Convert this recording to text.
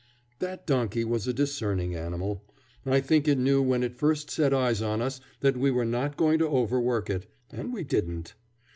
That donkey was a discerning animal. I think it knew when it first set eyes on us that we were not going to overwork it; and we didn't.